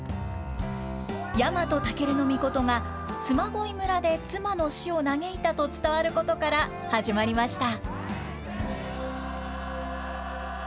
日本武尊が嬬恋村で妻の死を嘆いたと伝わることから、始まりました。